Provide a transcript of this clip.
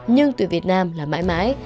nhưng tuyển việt nam là mãi mãi